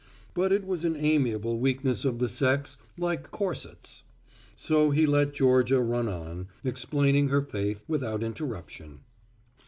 But it was an amiable weakness of the sex, like corsets. So he let Georgia run on, explaining her faith, without interruption.